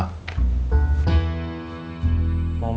tadi bilangnya cuma kang mus